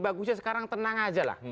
bagusnya sekarang tenang aja lah